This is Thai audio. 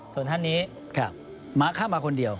ส่วนท่านนี้ม้าเข้ามาคนเดียว